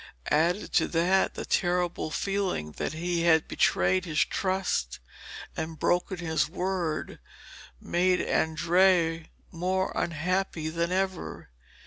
Added to that the terrible feeling that he had betrayed his trust and broken his word, made Andrea more unhappy than ever.